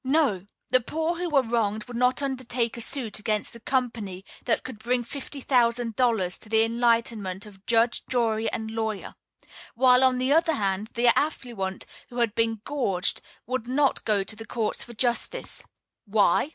No! The poor who were wronged would not undertake a suit against a company that could bring fifty thousand dollars to the enlightenment of judge, jury, and lawyer; while, on the other hand, the affluent who had been gouged would not go to the courts for justice. Why!